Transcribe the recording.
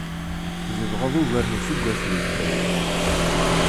Tzedɣeḍ ugar n useggas deg Ldzayer.